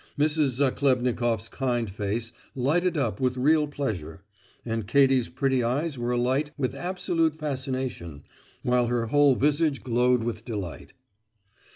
Mrs. Zachlebnikoff's kind face lighted up with real pleasure, and Katie's pretty eyes were alight with absolute fascination, while her whole visage glowed with delight.